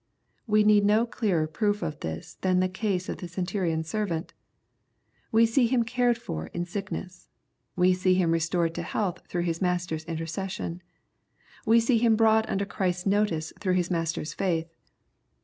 We need no clearer proof of this than the case of the centurion's servant. We see him cared for in sickness. We see him restored to health through his master's intercession We see him brought under Christ's notice through his master's faith.